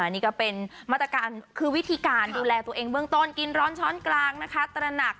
นี่ก็เป็นมาตรการคือวิธีการดูแลตัวเองเบื้องต้นกินร้อนช้อนกลางนะคะตระหนัก